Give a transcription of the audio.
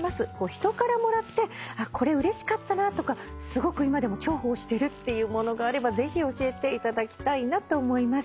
人からもらってこれうれしかったなとかすごく今でも重宝してるっていうものがあればぜひ教えていただきたいなと思います。